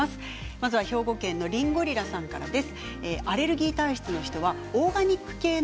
まず兵庫県の方からです。